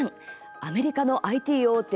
アメリカのＩＴ大手